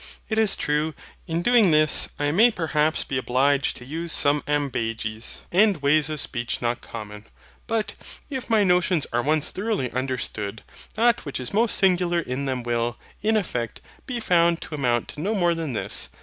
It is true, in doing this, I may perhaps be obliged to use some AMBAGES, and ways of speech not common. But, if my notions are once thoroughly understood, that which is most singular in them will, in effect, be found to amount to no more than this.